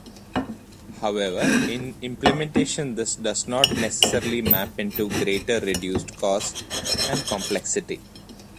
However, in implementation this does not necessarily map into greater reduced cost and complexity.